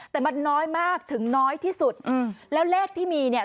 แต่มันน้อยมากถึงน้อยที่สุดอืมแล้วเลขที่มีเนี่ย